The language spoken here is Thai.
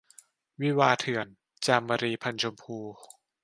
วิวาห์เถื่อน - จามรี พรรณชมพู